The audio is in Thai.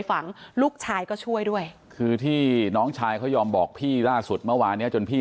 ทั้งลูกสาวลูกชายก็ไปทำพิธีจุดทูป